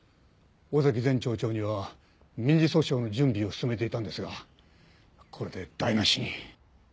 尾崎前町長には民事訴訟の準備を進めていたんですがこれで台無しに。